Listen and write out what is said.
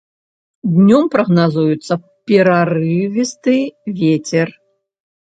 Днём прагназуецца парывісты вецер.